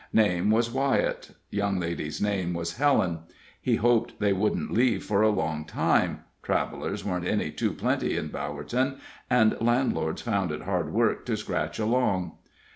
Name was Wyett young lady's name was Helen. He hoped they wouldn't leave for a long time travelers weren't any too plenty at Bowerton, and landlords found it hard work to scratch along.